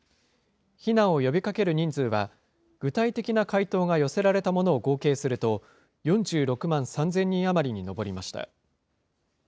避難を呼びかける人数は、具体的な回答が寄せられたものを合計すると、４６万３０００人余りに上りました。